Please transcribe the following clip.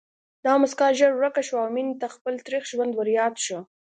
دا مسکا ژر ورکه شوه او مينې ته خپل تريخ ژوند ورياد شو